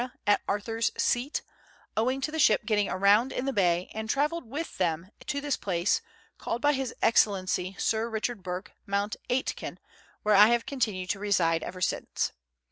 at Arthur's Seat, owing to the ship getting aground in the Bay, and travelled with them to this place, called by His Excellency Sir Richard Bourke, Mount Aitken, where I have continued to reside ever since.